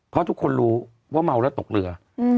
เพราะทุกคนรู้ว่าเมาแล้วตกเรือ